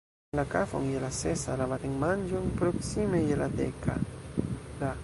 La kafon je la sesa, la matenmanĝon proksimume je la deka, la